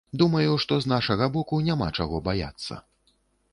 Думаю, што з нашага боку няма чаго баяцца.